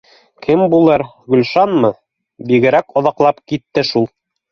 Кем булыр? Гөлшанымы? Бигерәк оҙаҡлап китте шул